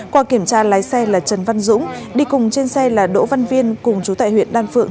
qua kiểm tra lái xe là trần văn dũng đi cùng trên xe là đỗ văn viên cùng chú tại huyện đan phượng